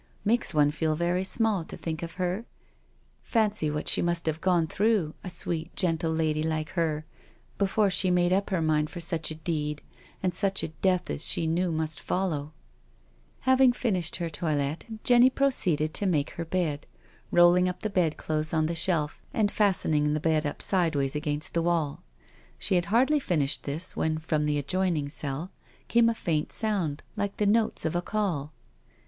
Makes one feel very small to think of her. Fancy what she must have gone through, a sweet, gentle lady like her, before she made up her mind for such a deed and such a death as she knew must follow I" Having finished ber toilet, Jenny proceeded to make BEHIND PRISON BARS 255 her bed; rolling up the bed clothes on the shelf, and fastening the bed up sideways against the wall. She had hardly finished this when from the adjoining cell came a faint sound, like the notes of a call.